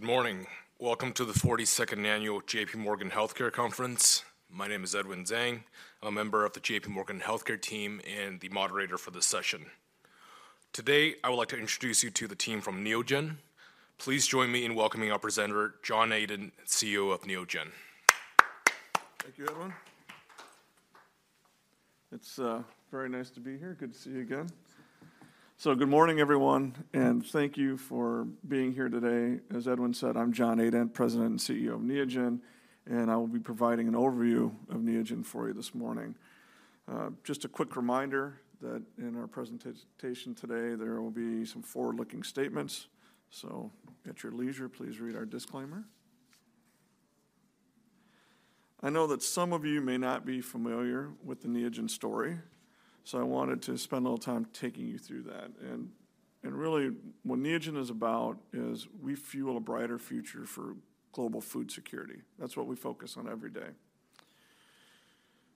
Good morning. Welcome to The 42nd Annual JPMorgan Healthcare Conference. My name is Edwin Zhang. I'm a member of the JPMorgan Healthcare team and the moderator for this session. Today, I would like to introduce you to the team from Neogen. Please join me in welcoming our presenter, John Adent, CEO of Neogen. Thank you, Edwin. It's very nice to be here. Good to see you again. So good morning, everyone, and thank you for being here today. As Edwin said, I'm John Adent, President and CEO of Neogen, and I will be providing an overview of Neogen for you this morning. Just a quick reminder that in our presentation today, there will be some forward-looking statements, so at your leisure, please read our disclaimer. I know that some of you may not be familiar with the Neogen story, so I wanted to spend a little time taking you through that. And really, what Neogen is about is we fuel a brighter future for global food security. That's what we focus on every day.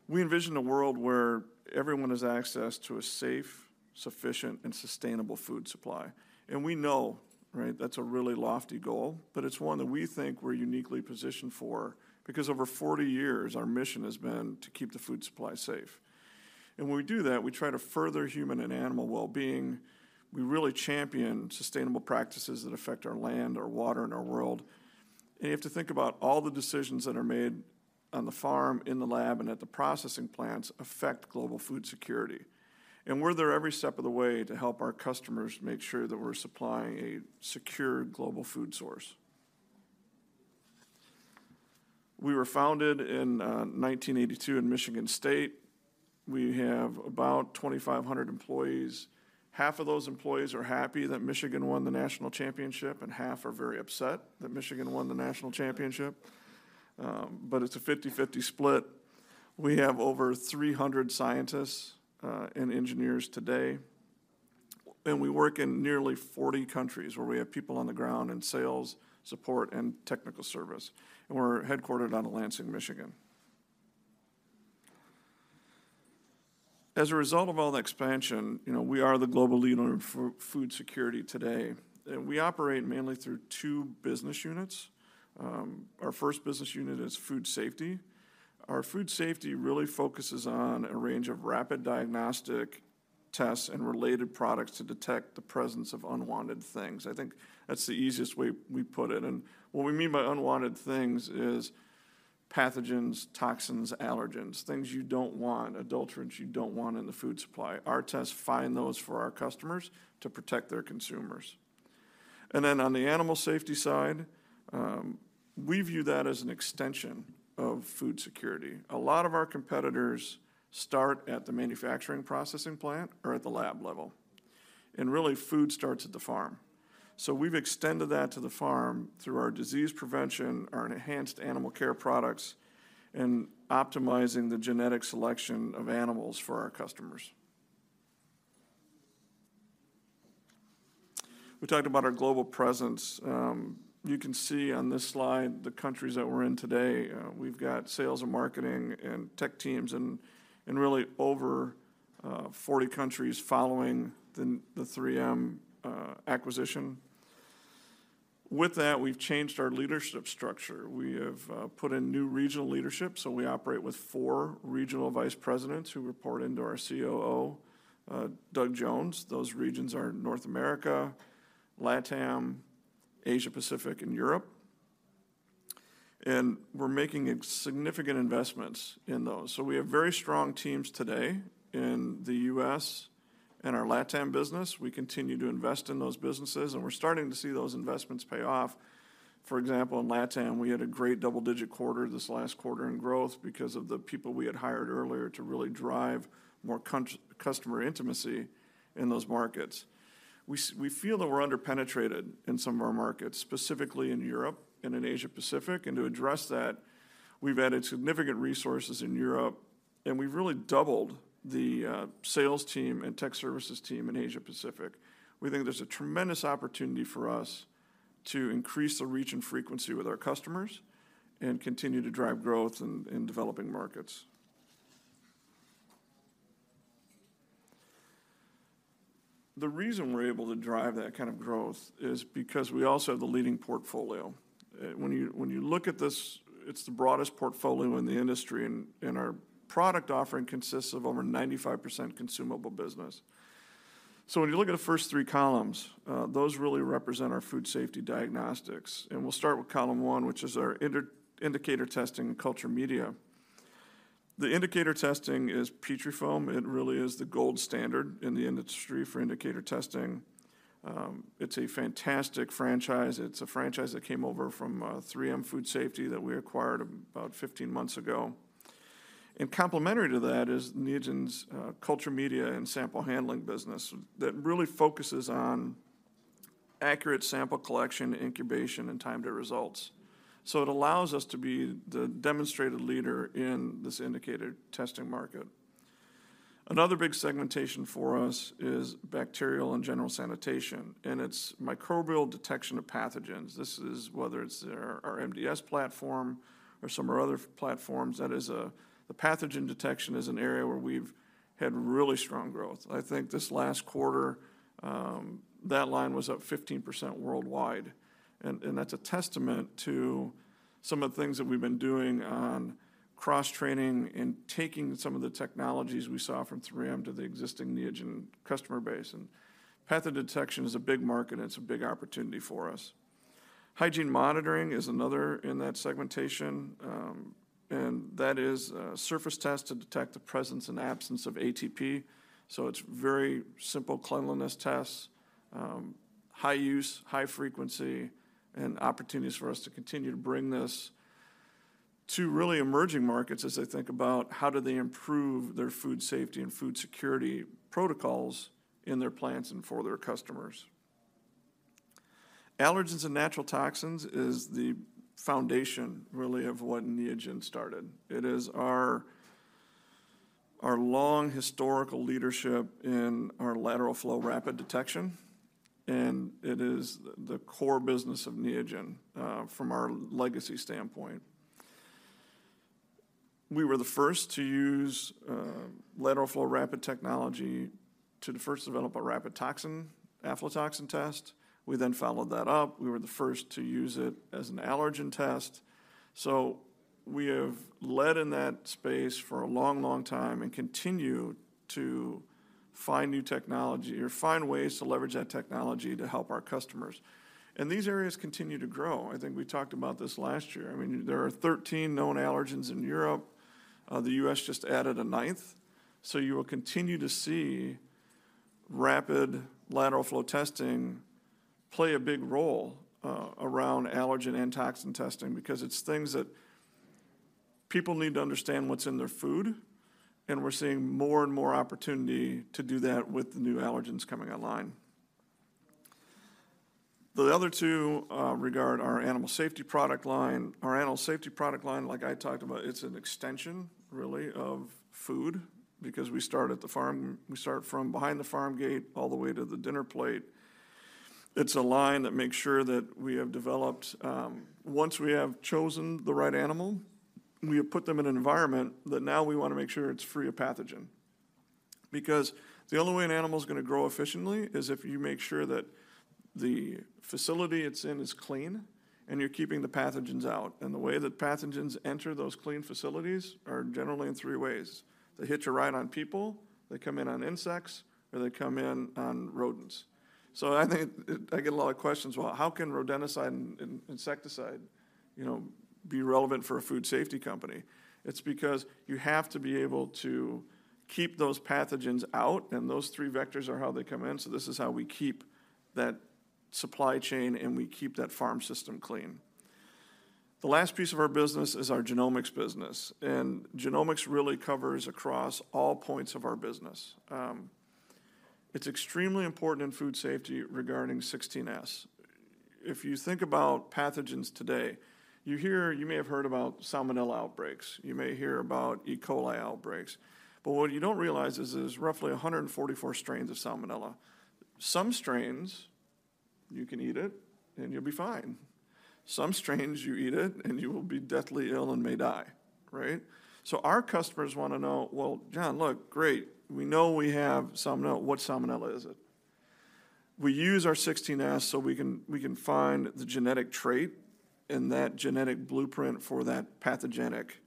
We envision a world where everyone has access to a safe, sufficient, and sustainable food supply. And we know, right, that's a really lofty goal, but it's one that we think we're uniquely positioned for because over 40 years, our mission has been to keep the food supply safe. And when we do that, we try to further human and animal well-being. We really champion sustainable practices that affect our land, our water, and our world. And you have to think about all the decisions that are made on the farm, in the lab, and at the processing plants affect global food security. And we're there every step of the way to help our customers make sure that we're supplying a secure global food source. We were founded in 1982 in Michigan State University. We have about 2,500 employees. Half of those employees are happy that Michigan won the national championship, and half are very upset that Michigan won the national championship, but it's a 50/50 split. We have over 300 scientists and engineers today, and we work in nearly 40 countries, where we have people on the ground in sales, support, and technical service, and we're headquartered out of Lansing, Michigan. As a result of all the expansion, you know, we are the global leader in food security today, and we operate mainly through two business units. Our first business unit is Food Safety. Our Food Safety really focuses on a range of rapid diagnostic tests and related products to detect the presence of unwanted things. I think that's the easiest way we put it, and what we mean by unwanted things is pathogens, toxins, allergens, things you don't want, adulterants you don't want in the food supply. Our tests find those for our customers to protect their consumers. And then, on the Animal Safety side, we view that as an extension of food security. A lot of our competitors start at the manufacturing processing plant or at the lab level, and really, food starts at the farm. So we've extended that to the farm through our disease prevention, our enhanced animal care products, and optimizing the genetic selection of animals for our customers. We talked about our global presence. You can see on this slide the countries that we're in today. We've got sales and marketing and tech teams in really over 40 countries following the 3M acquisition. With that, we've changed our leadership structure. We have put in new regional leadership, so we operate with four Regional Vice Presidents who report into our COO, Doug Jones. Those regions are North America, LATAM, Asia Pacific, and Europe, and we're making significant investments in those. So we have very strong teams today in the U.S. and our LATAM business. We continue to invest in those businesses, and we're starting to see those investments pay off. For example, in LATAM, we had a great double-digit quarter this last quarter in growth because of the people we had hired earlier to really drive more customer intimacy in those markets. We feel that we're under-penetrated in some of our markets, specifically in Europe and in Asia Pacific, and to address that, we've added significant resources in Europe, and we've really doubled the sales team and tech services team in Asia Pacific. We think there's a tremendous opportunity for us to increase the reach and frequency with our customers and continue to drive growth in developing markets. The reason we're able to drive that kind of growth is because we also have the leading portfolio. When you look at this, it's the broadest portfolio in the industry, and our product offering consists of over 95% consumable business. So when you look at the first three columns, those really represent our Food Safety diagnostics, and we'll start with column one, which is our indicator testing and culture media. The indicator testing is Petrifilm. It really is the gold standard in the industry for indicator testing. It's a fantastic franchise. It's a franchise that came over from 3M Food Safety that we acquired about 15 months ago. Complementary to that is Neogen's culture media and sample handling business that really focuses on accurate sample collection, incubation, and time to results. It allows us to be the demonstrated leader in this indicator testing market. Another big segmentation for us is bacterial and general sanitation, and it's microbial detection of pathogens. This is whether it's our MDS platform or some of our other platforms. That is, the pathogen detection is an area where we've had really strong growth. I think this last quarter, that line was up 15% worldwide. And that's a testament to some of the things that we've been doing on cross-training and taking some of the technologies we saw from 3M to the existing Neogen customer base. Pathogen detection is a big market, and it's a big opportunity for us. Hygiene monitoring is another in that segmentation, and that is a surface test to detect the presence and absence of ATP. So it's very simple cleanliness tests, high use, high frequency, and opportunities for us to continue to bring this to really emerging markets as they think about how do they improve their Food Safety and food security protocols in their plants and for their customers. Allergens and natural toxins is the foundation, really, of what Neogen started. It is our, our long historical leadership in our lateral flow rapid detection, and it is the core business of Neogen from our legacy standpoint. We were the first to use lateral flow rapid technology to first develop a rapid toxin, aflatoxin test. We then followed that up. We were the first to use it as an allergen test. So we have led in that space for a long, long time and continue to find new technology or find ways to leverage that technology to help our customers. These areas continue to grow. I think we talked about this last year. I mean, there are 13 known allergens in Europe. The U.S. just added a ninth. So you will continue to see rapid lateral flow testing play a big role around allergen and toxin testing because it's things that people need to understand what's in their food, and we're seeing more and more opportunity to do that with the new allergens coming online. The other two regard our Animal Safety product line. Our Animal Safety product line, like I talked about, it's an extension really of food because we start at the farm. We start from behind the farm gate all the way to the dinner plate. It's a line that makes sure that we have developed. Once we have chosen the right animal, we have put them in an environment that now we wanna make sure it's free of pathogen. Because the only way an animal is gonna grow efficiently is if you make sure that the facility it's in is clean, and you're keeping the pathogens out. And the way that pathogens enter those clean facilities are generally in three ways: They hitch a ride on people, they come in on insects, or they come in on rodents. So I think, I get a lot of questions, "Well, how can rodenticide and insecticide, you know, be relevant for a Food Safety company?" It's because you have to be able to keep those pathogens out, and those three vectors are how they come in. So this is how we keep that supply chain, and we keep that farm system clean. The last piece of our business is our genomics business, and genomics really covers across all points of our business. It's extremely important in Food Safety regarding 16S. If you think about pathogens today, you hear- you may have heard about Salmonella outbreaks. You may hear about E. coli outbreaks. But what you don't realize is there's roughly 144 strains of Salmonella. Some strains, you can eat it, and you'll be fine. Some strains, you eat it, and you will be deathly ill and may die, right? So our customers wanna know, "Well, John, look, great. We know we have Salmonella. What Salmonella is it?" We use our 16S so we can, we can find the genetic trait and that genetic blueprint for that pathogenic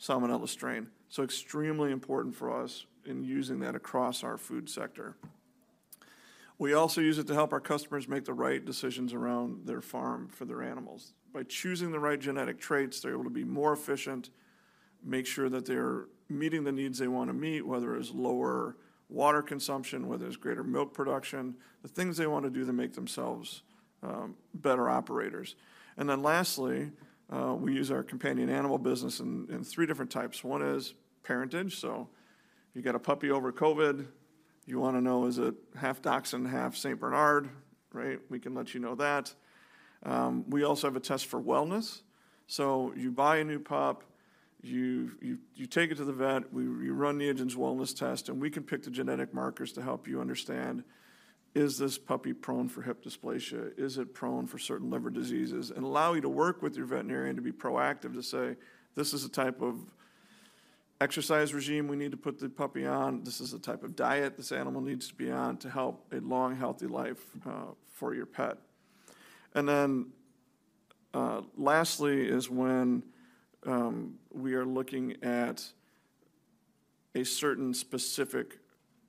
Salmonella strain. So extremely important for us in using that across our food sector. We also use it to help our customers make the right decisions around their farm for their animals. By choosing the right genetic traits, they're able to be more efficient, make sure that they're meeting the needs they wanna meet, whether it's lower water consumption, whether it's greater milk production, the things they wanna do to make themselves, better operators. And then lastly, we use our companion animal business in three different types. One is parentage. So you get a puppy over COVID, you wanna know, is it half Dachshund, half Saint Bernard, right? We can let you know that. We also have a test for wellness. So you buy a new pup, you take it to the vet, you run Neogen's wellness test, and we can pick the genetic markers to help you understand, is this puppy prone for hip dysplasia? Is it prone for certain liver diseases? And allow you to work with your veterinarian to be proactive to say, "This is the type of exercise regime we need to put the puppy on. This is the type of diet this animal needs to be on to help a long, healthy life for your pet." And then, lastly is when we are looking at a certain specific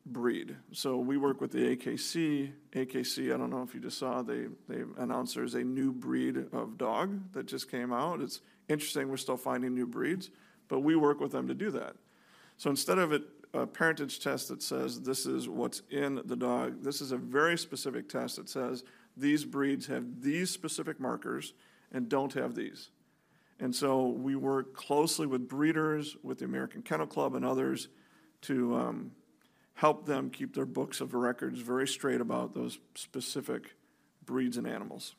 breed. So we work with the AKC. AKC, I don't know if you just saw, they, they announced there's a new breed of dog that just came out. It's interesting we're still finding new breeds, but we work with them to do that. So instead of a parentage test that says, "This is what's in the dog," this is a very specific test that says, "These breeds have these specific markers and don't have these." And so we work closely with breeders, with the American Kennel Club and others to help them keep their books of records very straight about those specific breeds and animals.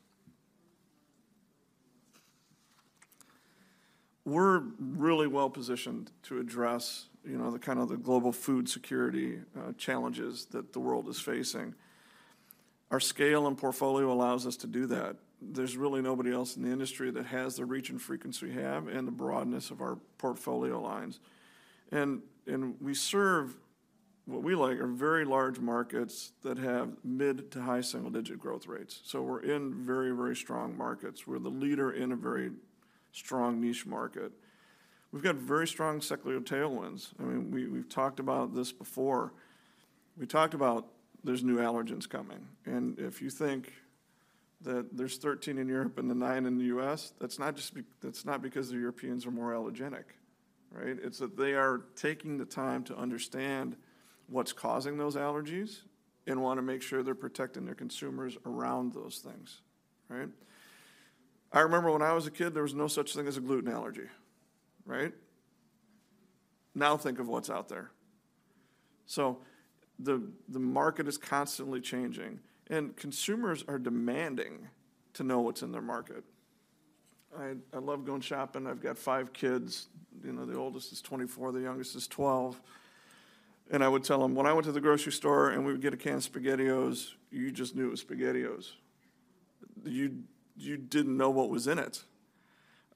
We're really well-positioned to address, you know, the kind of global food security challenges that the world is facing. Our scale and portfolio allows us to do that.... There's really nobody else in the industry that has the reach and frequency we have, and the broadness of our portfolio lines. And we serve what we like, are very large markets that have mid- to high single-digit growth rates. So we're in very, very strong markets. We're the leader in a very strong niche market. We've got very strong secular tailwinds. I mean, we, we've talked about this before. We talked about there's new allergens coming, and if you think that there's 13 in Europe and the nine in the U.S., that's not just because the Europeans are more allergenic, right? It's that they are taking the time to understand what's causing those allergies, and wanna make sure they're protecting their consumers around those things, right? I remember when I was a kid, there was no such thing as a gluten allergy, right? Now, think of what's out there. So the, the market is constantly changing, and consumers are demanding to know what's in their market. I, I love going shopping. I've got five kids, you know, the oldest is 24, the youngest is 12. I would tell them, "When I went to the grocery store and we would get a can of SpaghettiOs, you just knew it was SpaghettiOs. You didn't know what was in it."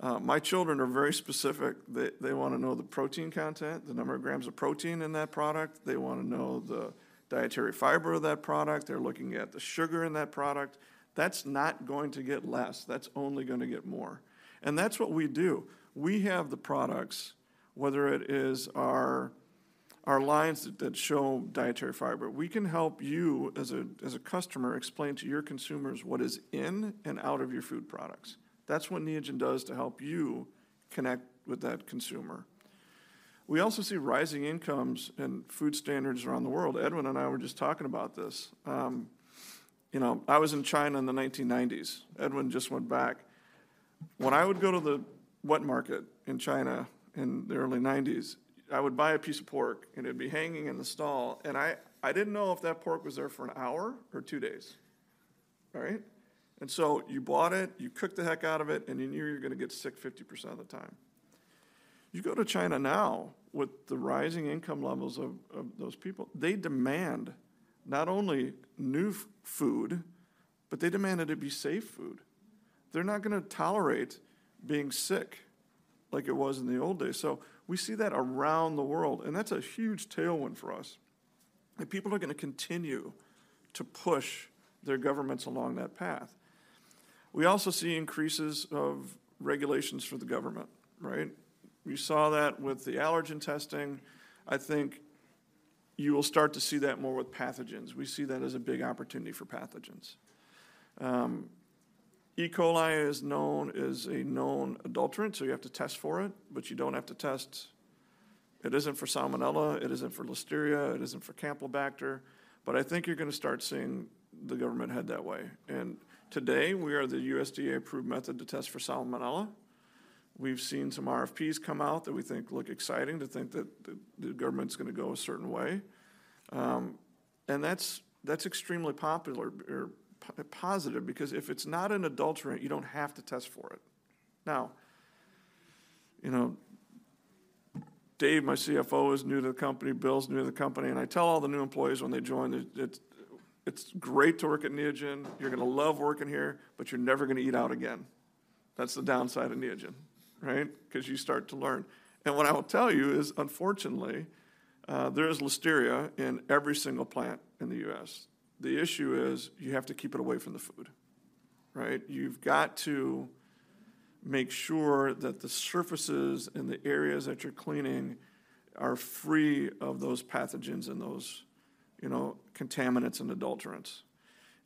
My children are very specific. They wanna know the protein content, the number of grams of protein in that product. They wanna know the dietary fiber of that product. They're looking at the sugar in that product. That's not going to get less. That's only gonna get more, and that's what we do. We have the products, whether it is our lines that show dietary fiber. We can help you, as a customer, explain to your consumers what is in and out of your food products. That's what Neogen does to help you connect with that consumer. We also see rising incomes and food standards around the world. Edwin and I were just talking about this. You know, I was in China in the 1990s. Edwin just went back. When I would go to the wet market in China in the early '90s, I would buy a piece of pork, and it'd be hanging in the stall, and I didn't know if that pork was there for an hour or two days, right? And so you bought it, you cooked the heck out of it, and you knew you were gonna get sick 50% of the time. You go to China now, with the rising income levels of those people, they demand not only new food, but they demand that it be safe food. They're not gonna tolerate being sick like it was in the old days. So we see that around the world, and that's a huge tailwind for us, and people are gonna continue to push their governments along that path. We also see increases of regulations from the government, right? We saw that with the allergen testing. I think you will start to see that more with pathogens. We see that as a big opportunity for pathogens. E. coli is known, is a known adulterant, so you have to test for it, but you don't have to test... It isn't for Salmonella, it isn't for Listeria, it isn't for Campylobacter, but I think you're gonna start seeing the government head that way. And today, we are the USDA-approved method to test for Salmonella. We've seen some RFPs come out that we think look exciting, to think that the government's gonna go a certain way. And that's extremely positive because if it's not an adulterant, you don't have to test for it. Now, you know, Dave, my CFO, is new to the company, Bill's new to the company, and I tell all the new employees when they join that it's great to work at Neogen. You're gonna love working here, but you're never gonna eat out again. That's the downside of Neogen, right? Because you start to learn. And what I will tell you is, unfortunately, there is Listeria in every single plant in the U.S. The issue is, you have to keep it away from the food, right? You've got to make sure that the surfaces and the areas that you're cleaning are free of those pathogens and those, you know, contaminants and adulterants.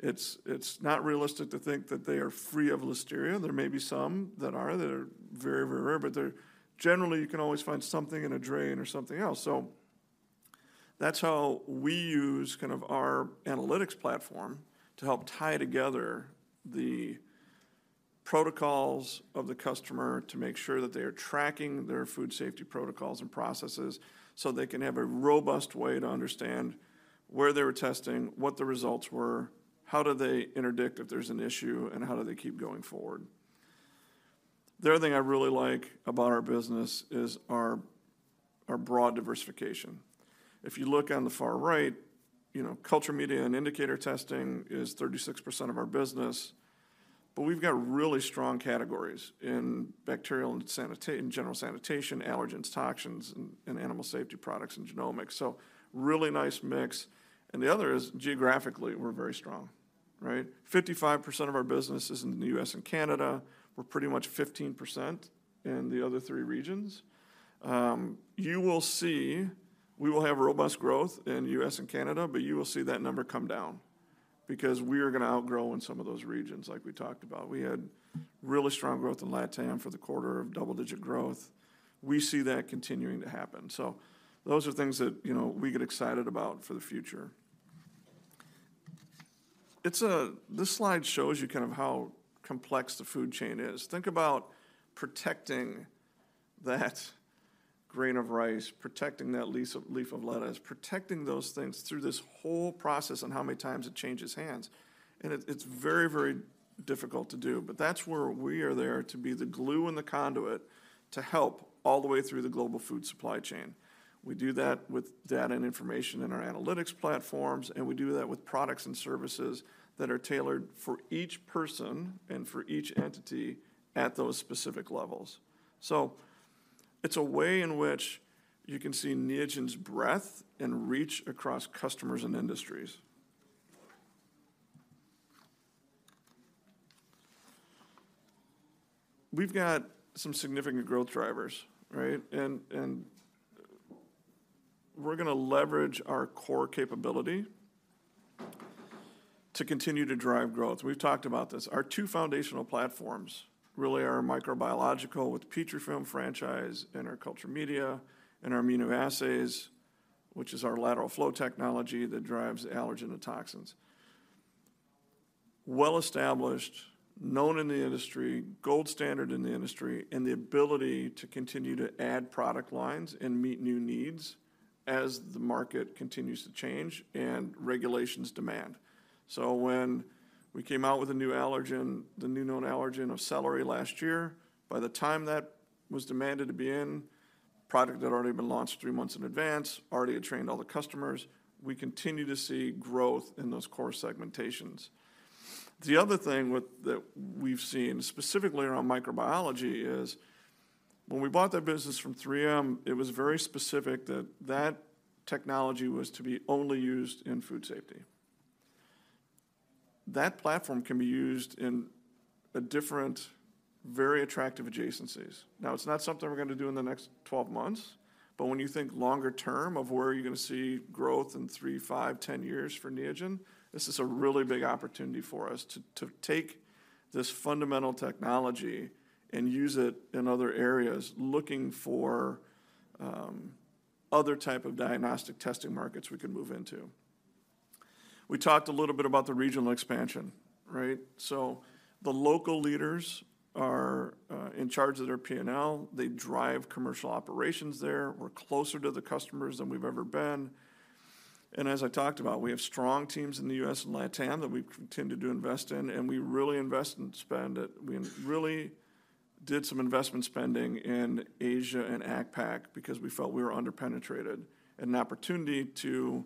It's not realistic to think that they are free of Listeria. There may be some that are very, very rare, but generally, you can always find something in a drain or something else. So that's how we use kind of our analytics platform to help tie together the protocols of the customer to make sure that they are tracking their Food Safety protocols and processes, so they can have a robust way to understand where they were testing, what the results were, how do they interdict if there's an issue, and how do they keep going forward? The other thing I really like about our business is our broad diversification. If you look on the far right, you know, culture media and indicator testing is 36% of our business, but we've got really strong categories in bacterial and in general sanitation, allergens, toxins, and Animal Safety products, and genomics, so really nice mix. And the other is, geographically, we're very strong, right? 55% of our business is in the U.S. and Canada. We're pretty much 15% in the other three regions. You will see—we will have robust growth in U.S. and Canada, but you will see that number come down because we are gonna outgrow in some of those regions, like we talked about. We had really strong growth in LATAM for the quarter of double-digit growth. We see that continuing to happen. So those are things that, you know, we get excited about for the future. It's a... This slide shows you kind of how complex the food chain is. Think about protecting that grain of rice, protecting that leaf of lettuce, protecting those things through this whole process and how many times it changes hands, and it's very, very difficult to do. But that's where we are there to be the glue and the conduit to help all the way through the global food supply chain. We do that with data and information in our analytics platforms, and we do that with products and services that are tailored for each person and for each entity at those specific levels. It's a way in which you can see Neogen's breadth and reach across customers and industries. We've got some significant growth drivers, right? And, and we're gonna leverage our core capability to continue to drive growth. We've talked about this. Our two foundational platforms really are microbiological, with Petrifilm franchise, and our culture media, and our immunoassays, which is our lateral flow technology that drives allergen and toxins. Well-established, known in the industry, gold standard in the industry, and the ability to continue to add product lines and meet new needs as the market continues to change and regulations demand. So when we came out with a new allergen, the new known allergen of celery last year, by the time that was demanded to be in, product had already been launched three months in advance, already had trained all the customers. We continue to see growth in those core segmentations. The other thing with that we've seen, specifically around microbiology, is when we bought that business from 3M, it was very specific that that technology was to be only used in Food Safety. That platform can be used in a different, very attractive adjacencies. Now, it's not something we're gonna do in the next 12 months, but when you think longer term of where you're gonna see growth in three, five, 10 years for Neogen, this is a really big opportunity for us to take this fundamental technology and use it in other areas, looking for other type of diagnostic testing markets we can move into. We talked a little bit about the regional expansion, right? So the local leaders are in charge of their P&L. They drive commercial operations there. We're closer to the customers than we've ever been. As I talked about, we have strong teams in the U.S. and LATAM that we've continued to invest in, and we really invest and spend it—we really did some investment spending in Asia and APAC because we felt we were under-penetrated, an opportunity to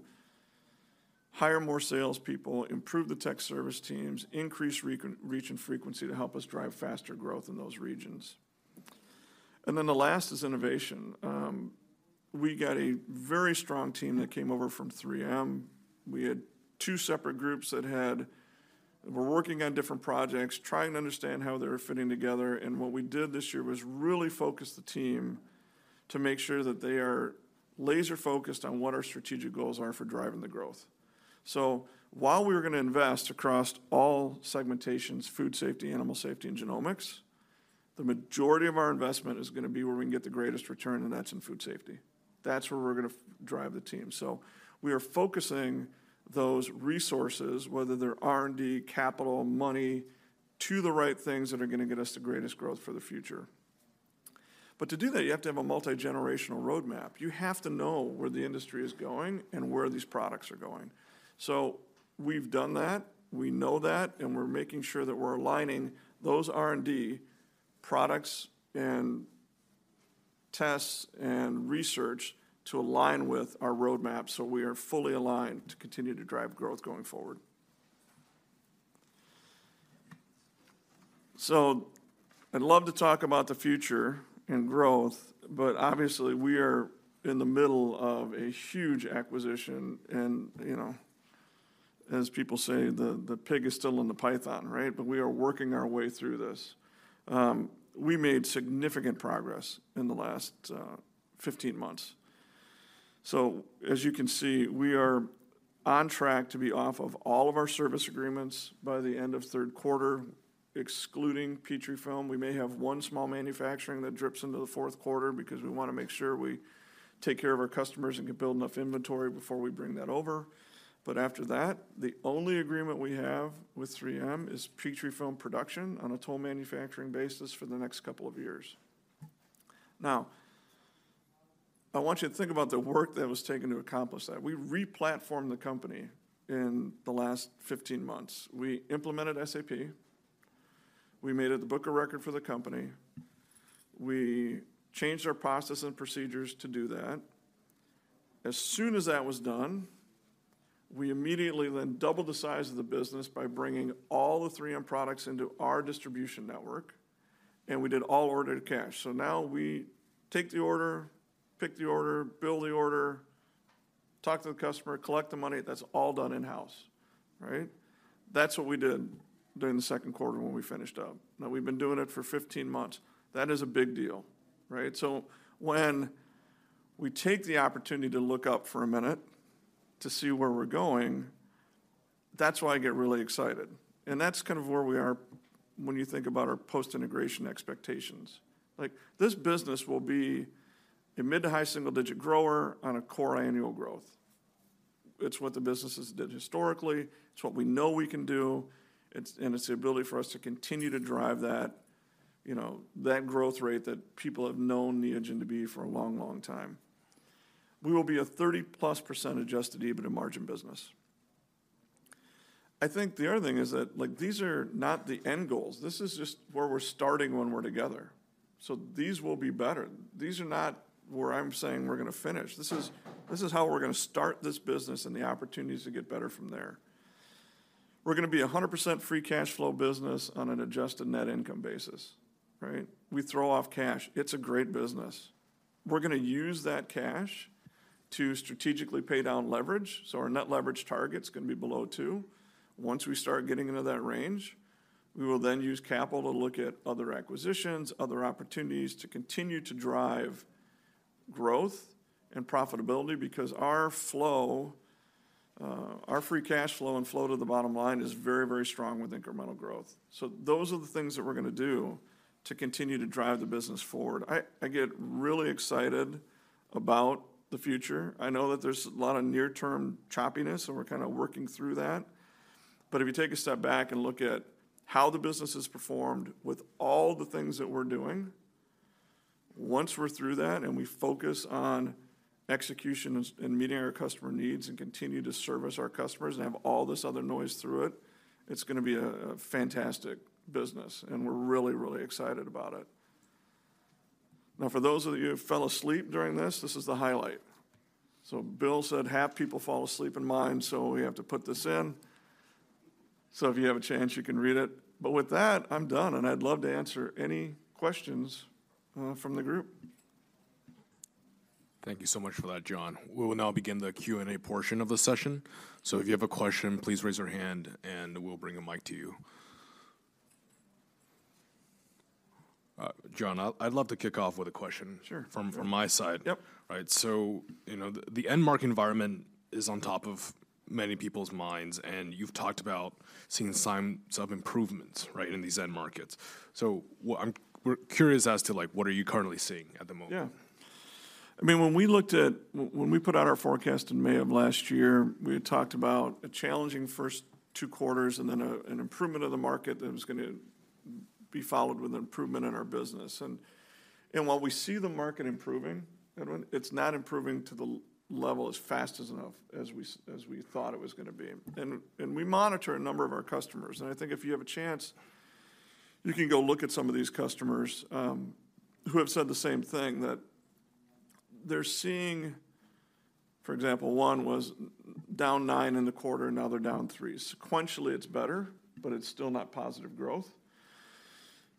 hire more salespeople, improve the tech service teams, increase reach and frequency to help us drive faster growth in those regions. Then the last is innovation. We got a very strong team that came over from 3M. We had two separate groups that were working on different projects, trying to understand how they were fitting together, and what we did this year was really focus the team to make sure that they are laser-focused on what our strategic goals are for driving the growth. So while we were gonna invest across all segmentations, Food Safety, Animal Safety, and genomics, the majority of our investment is gonna be where we can get the greatest return, and that's in Food Safety. That's where we're gonna drive the team. So we are focusing those resources, whether they're R&D, capital, money, to the right things that are gonna get us the greatest growth for the future. But to do that, you have to have a multigenerational roadmap. You have to know where the industry is going and where these products are going. So we've done that, we know that, and we're making sure that we're aligning those R&D products and tests and research to align with our roadmap, so we are fully aligned to continue to drive growth going forward. So I'd love to talk about the future and growth, but obviously, we are in the middle of a huge acquisition, and, you know, as people say, the, the pig is still in the python, right? But we are working our way through this. We made significant progress in the last 15 months. So as you can see, we are on track to be off of all of our service agreements by the end of third quarter, excluding Petrifilm. We may have one small manufacturing that drips into the fourth quarter because we wanna make sure we take care of our customers and can build enough inventory before we bring that over. But after that, the only agreement we have with 3M is Petrifilm production on a toll manufacturing basis for the next couple of years. Now, I want you to think about the work that was taken to accomplish that. We re-platformed the company in the last 15 months. We implemented SAP. We made it the book of record for the company. We changed our process and procedures to do that. As soon as that was done, we immediately then doubled the size of the business by bringing all the 3M products into our distribution network, and we did all order to cash. So now we take the order, pick the order, bill the order, talk to the customer, collect the money. That's all done in-house, right? That's what we did during the second quarter when we finished up. Now, we've been doing it for 15 months. That is a big deal, right? So when we take the opportunity to look up for a minute to see where we're going, that's why I get really excited. And that's kind of where we are when you think about our post-integration expectations. Like, this business will be a mid to high single-digit grower on a core annual growth. It's what the business has did historically, it's what we know we can do, it's, and it's the ability for us to continue to drive that, you know, that growth rate that people have known Neogen to be for a long, long time. We will be a 30%+ adjusted EBITDA margin business. I think the other thing is that, like, these are not the end goals. This is just where we're starting when we're together. So these will be better. These are not where I'm saying we're gonna finish. This is how we're gonna start this business and the opportunities to get better from there. We're gonna be a 100% free cash flow business on an adjusted net income basis, right? We throw off cash. It's a great business. We're gonna use that cash to strategically pay down leverage, so our net leverage target's gonna be below two. Once we start getting into that range, we will then use capital to look at other acquisitions, other opportunities to continue to drive growth and profitability, because our flow, our free cash flow and flow to the bottom line is very, very strong with incremental growth. So those are the things that we're gonna do to continue to drive the business forward. I get really excited about the future. I know that there's a lot of near-term choppiness, and we're kinda working through that, but if you take a step back and look at how the business has performed with all the things that we're doing, once we're through that and we focus on execution and meeting our customer needs and continue to service our customers and have all this other noise through it, it's gonna be a fantastic business, and we're really, really excited about it. Now, for those of you who fell asleep during this, this is the highlight. So Bill said, "Half people fall asleep in mine," so we have to put this in. So if you have a chance, you can read it, but with that, I'm done, and I'd love to answer any questions from the group. Thank you so much for that, John. We will now begin the Q&A portion of the session. So if you have a question, please raise your hand, and we'll bring a mic to you. John, I'd love to kick off with a question. Sure... from my side. Yep. Right, so, you know, the end market environment is on top of many people's minds, and you've talked about seeing signs of improvements, right, in these end markets. So we're curious as to, like, what are you currently seeing at the moment? Yeah. I mean, when we put out our forecast in May of last year, we had talked about a challenging first two quarters and then an improvement of the market that was gonna be followed with an improvement in our business. And while we see the market improving, Edwin, it's not improving to the level as fast as enough as we thought it was gonna be. And we monitor a number of our customers, and I think if you have a chance, you can go look at some of these customers, who have said the same thing, that they're seeing. For example, one was down nine in the quarter, now they're down three. Sequentially, it's better, but it's still not positive growth.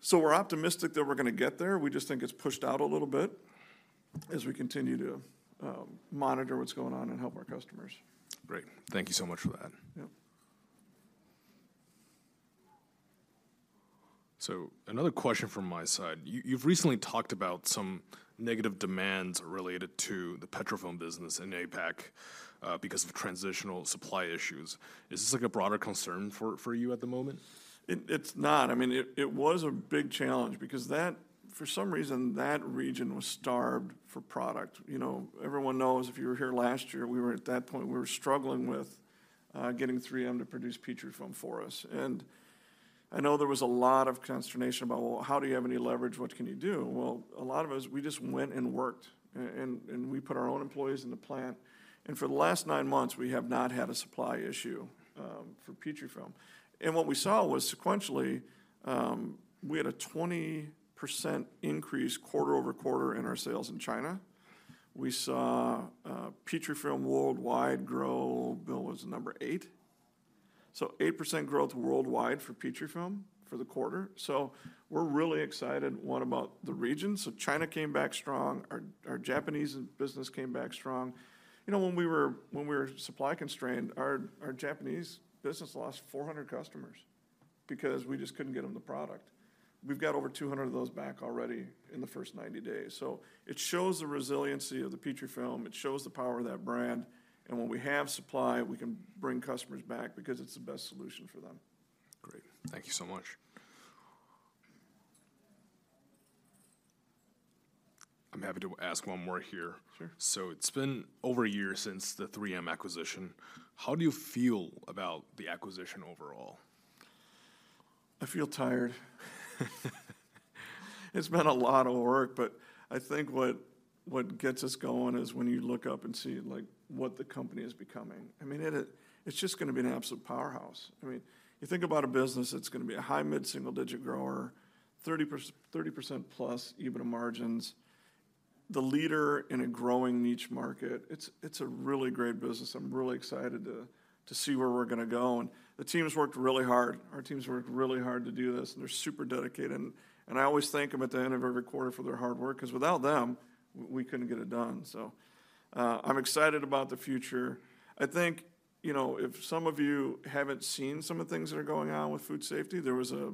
So we're optimistic that we're gonna get there. We just think it's pushed out a little bit as we continue to monitor what's going on and help our customers. Great. Thank you so much for that. Yep. So another question from my side. You've recently talked about some negative demands related to the Petrifilm business in APAC because of transitional supply issues. Is this, like, a broader concern for you at the moment? It's not. I mean, it was a big challenge because that for some reason that region was starved for product. You know, everyone knows, if you were here last year, we were at that point, we were struggling with getting 3M to produce Petrifilm for us. And I know there was a lot of consternation about, "Well, how do you have any leverage? What can you do?" Well, a lot of us, we just went and worked, and we put our own employees in the plant, and for the last nine months, we have not had a supply issue for Petrifilm. And what we saw was, sequentially, we had a 20% increase quarter-over-quarter in our sales in China. We saw Petrifilm worldwide grow, Bill, was it number eight? So 8% growth worldwide for Petrifilm for the quarter, so we're really excited, one, about the region. So China came back strong. Our, our Japanese business came back strong. You know, when we were, when we were supply-constrained, our, our Japanese business lost 400 customers because we just couldn't get them the product. We've got over 200 of those back already in the first 90 days. So it shows the resiliency of the Petrifilm. It shows the power of that brand, and when we have supply, we can bring customers back because it's the best solution for them. Great. Thank you so much. I'm happy to ask one more here. Sure. It's been over a year since the 3M acquisition. How do you feel about the acquisition overall? I feel tired. It's been a lot of work, but I think what gets us going is when you look up and see, like, what the company is becoming. I mean, it's just gonna be an absolute powerhouse. I mean, you think about a business that's gonna be a high mid-single-digit grower, 30%+ EBITDA margins, the leader in a growing niche market. It's a really great business. I'm really excited to see where we're gonna go, and the team's worked really hard. Our team's worked really hard to do this, and they're super dedicated, and I always thank them at the end of every quarter for their hard work, 'cause without them, we couldn't get it done. So, I'm excited about the future. I think, you know, if some of you haven't seen some of the things that are going on with Food Safety, there was a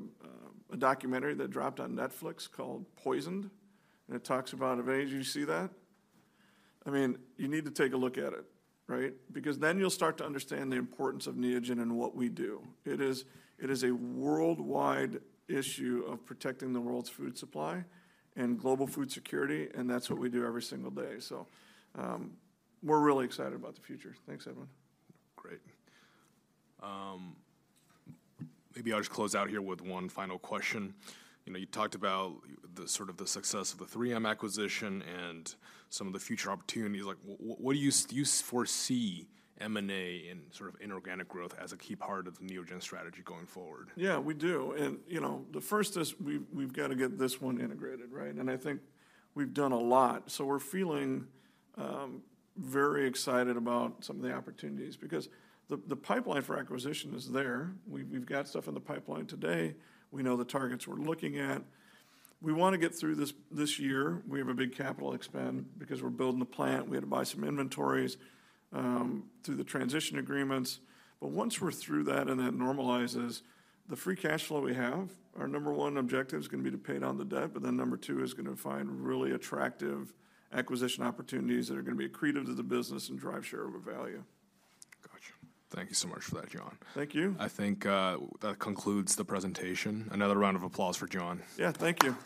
documentary that dropped on Netflix called Poisoned, and it talks about a range... Did you see that? I mean, you need to take a look at it, right? Because then you'll start to understand the importance of Neogen and what we do. It is, it is a worldwide issue of protecting the world's food supply and global food security, and that's what we do every single day. So, we're really excited about the future. Thanks, everyone. Great. Maybe I'll just close out here with one final question. You know, you talked about the sort of success of the 3M acquisition and some of the future opportunities. Like, what do you foresee M&A and sort of inorganic growth as a key part of the Neogen strategy going forward? Yeah, we do. And, you know, the first is we've got to get this one integrated, right? And I think we've done a lot, so we're feeling very excited about some of the opportunities because the pipeline for acquisition is there. We've got stuff in the pipeline today. We know the targets we're looking at. We wanna get through this year. We have a big capital expenditure because we're building a plant. We had to buy some inventories through the transition agreements. But once we're through that and that normalizes, the free cash flow we have, our number one objective is gonna be to pay down the debt, but then number two is gonna find really attractive acquisition opportunities that are gonna be accretive to the business and drive share of the value. Gotcha. Thank you so much for that, John. Thank you. I think that concludes the presentation. Another round of applause for John. Yeah, thank you.